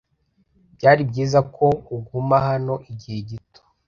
Byari byiza ko uguma hano igihe gito.